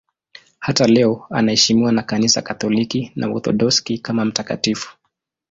Hata leo anaheshimiwa na Kanisa Katoliki na Waorthodoksi kama mtakatifu.